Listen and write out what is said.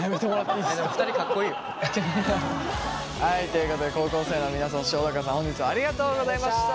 ということで高校生の皆さんそして小高さん本日はありがとうございました！